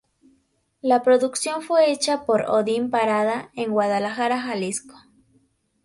La producción fue hecha por Odin Parada, en Guadalajara, Jalisco.